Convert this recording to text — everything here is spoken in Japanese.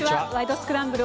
スクランブル」